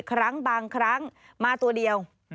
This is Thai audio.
ครั้งบางครั้งมาตัวเดียว